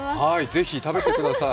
ぜひ食べてください。